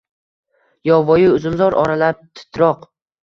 Yovvoyi uzumzor oralab, titroq —